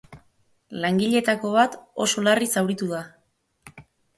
Langiletako bat oso larri zauritu da.